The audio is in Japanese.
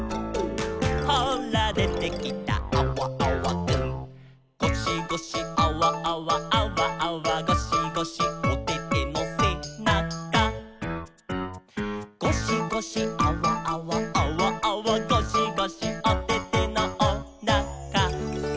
「ほらでてきたアワアワくん」「ゴシゴシアワアワアワアワゴシゴシ」「おててのせなか」「ゴシゴシアワアワアワアワゴシゴシ」「おててのおなか」